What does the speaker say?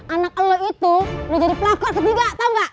anak lo itu udah jadi pelakor ketiga tau gak